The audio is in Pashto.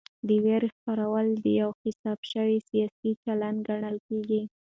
د وېرې خپرول یو حساب شوی سیاسي چل ګڼل کېږي.